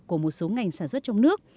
của một số ngành sản xuất trong nước